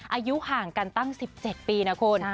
อายุห่างกันตั้ง๑๗ปีนะคุณ